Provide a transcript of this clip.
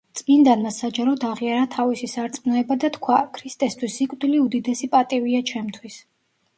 წმინდანმა საჯაროდ აღიარა თავისი სარწმუნოება და თქვა: „ქრისტესთვის სიკვდილი უდიდესი პატივია ჩემთვის“.